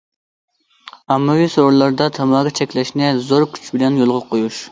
ئاممىۋى سورۇنلاردا تاماكا چەكلەشنى زور كۈچ بىلەن يولغا قويۇش.